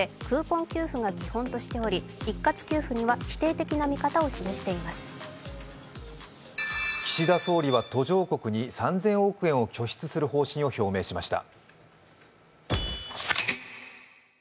ただし岸田総理は途上国に３０００億円を拠出する方針を示しました。